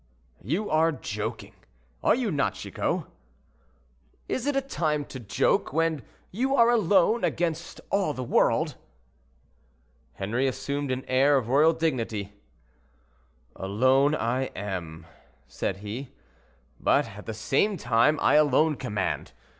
"You are joking, are you not, Chicot?" "Is it a time to joke, when you are alone, against all the world?" Henri assumed an air of royal dignity. "Alone I am," said he, "but at the same time I alone command.